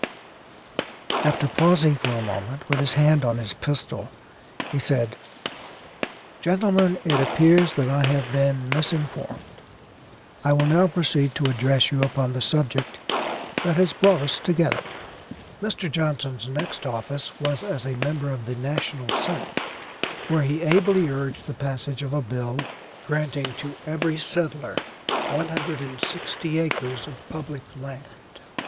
After pausing for a moment, with his hand on his pistol, he said, "Gentlemen, it appears that I have been misinformed. I will now proceed to address you upon the subject that has brought us together." Mr. Johnson's next office was as a member of the national Senate, where he ably urged the passage of a bill granting to every settler 160 acres of public land.